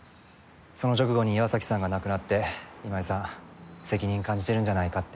その直後に岩崎さんが亡くなって今井さん責任感じてるんじゃないかって。